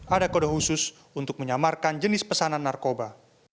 ada kode khusus untuk menyamarkan jenis pesanan narkoba